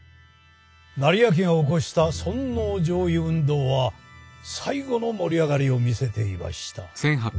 斉昭が興した尊王攘夷運動は最後の盛り上がりを見せていました。